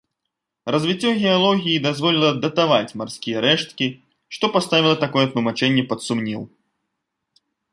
Развіццё геалогіі дазволіла датаваць марскія рэшткі, што паставіла такое тлумачэнне пад сумнеў.